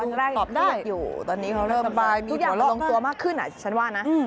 ตอนแรกเครียดอยู่ตอนนี้เขาเริ่มสบายมีหัวลองตัวมากขึ้นฉันว่านะ